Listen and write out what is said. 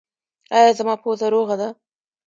ایا زما پوزه روغه ده؟